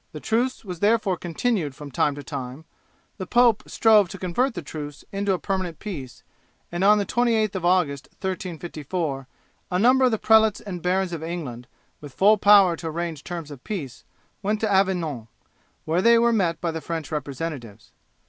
The truce was therefore continued from time to time; the pope strove to convert the truce into a permanent peace, and on the 28th of August, 1354, a number of the prelates and barons of England, with full power to arrange terms of peace, went to Avignon, where they were met by the French representatives.